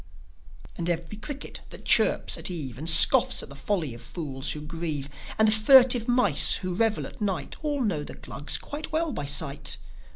And every cricket that chirps at eve, And scoffs at the folly of fools who grieve, And the furtive mice who revel at night, All know the Glugs quite well by sight.